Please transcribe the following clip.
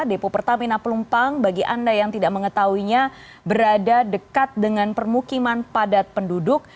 depo pertamina pelumpang bagi anda yang tidak mengetahuinya berada dekat dengan permukiman padat penduduk